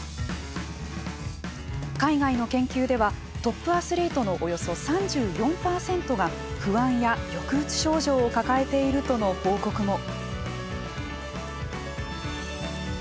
海外の研究ではトップアスリートのおよそ３４％が不安や抑うつ症状を抱えているとの報告も。